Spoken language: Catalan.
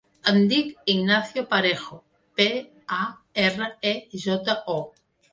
Em dic Ignacio Parejo: pe, a, erra, e, jota, o.